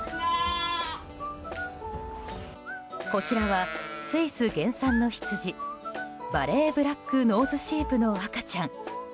こちらは、スイス原産のヒツジヴァレーブラックノーズシープの赤ちゃん。